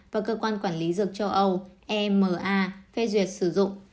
và cơ quan quản lý dược châu âu ema phê duyệt sử dụng